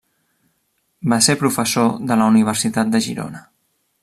Va ser professor de la Universitat de Girona.